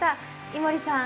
井森さん